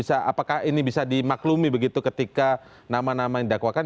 apakah ini bisa dimaklumi begitu ketika nama nama yang didakwakan